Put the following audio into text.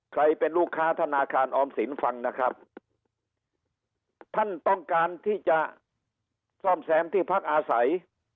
ใครเป็นลูกค้าธนาคารออมสินฟังนะครับท่านต้องการที่จะซ่อมแซมที่พักอาศัย